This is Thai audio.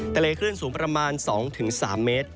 คลื่นสูงประมาณ๒๓เมตร